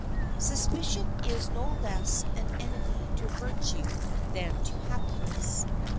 Suspicion is no less an enemy to virtue than to happiness.